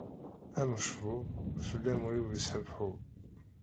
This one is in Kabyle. Am ucebbub, fell-am ul-iw yeshebhub.